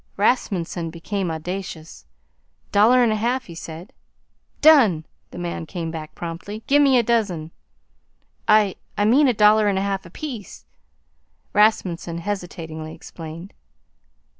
Rasmunsen became audacious. "Dollar 'n a half," he said. "Done!" the man came back promptly. "Gimme a dozen." "I I mean a dollar 'n a half apiece," Rasmunsen hesitatingly explained.